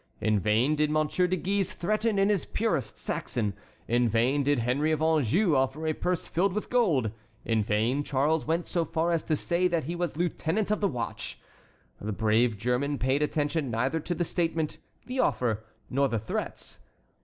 In vain did Monsieur de Guise threaten in his purest Saxon; in vain did Henry of Anjou offer a purse filled with gold; in vain Charles went so far as to say that he was lieutenant of the watch; the brave German paid attention neither to the statement, the offer, nor the threats.